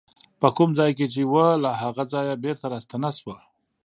په کوم ځای کې چې وه له هغه ځایه بېرته راستنه شوه.